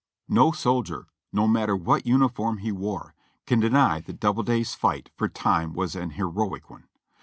No soldier, no matter what uniform he wore, can denv that GETTYSBURG 393 Doiibleday's fight for time was an heroic one.